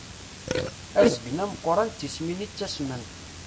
Azgen ameqqran d tismin i ttasment.